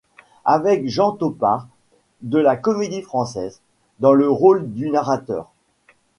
Avec Jean Topart, de la Comédie-Française, dans le rôle du narrateur.